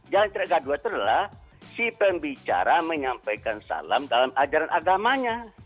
jalan yang tidak gaduh itu adalah si pembicara menyampaikan salam dalam ajaran agamanya